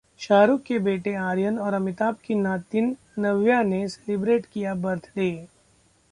शाहरुख के बेटे आर्यन और अमिताभ की नातिन नव्या ने सेलिब्रेट किया बर्थडे